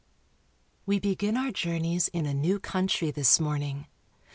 w , E begin our journeys in a new country this morning.